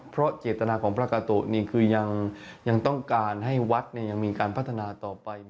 เพราะเจตนาของพระกาโตนี่คือยังต้องการให้วัดยังมีการพัฒนาต่อไป